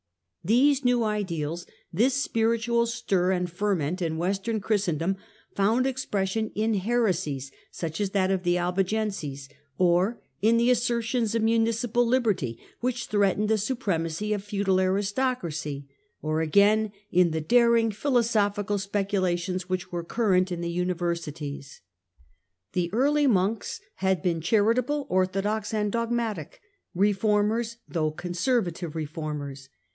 These new ideals, this spiritual stir and ferment in western Christendom, found expression in heresies, such as that of the Albigenses, or in the assertions of municipal liberty which threatened the supremacy of the feudal aristocracy, or again, in the daring philosophical speculations which were current in the Universities. The early monks had been charitable, orthodox, and dogmatic : reformers, though Conservative reformers.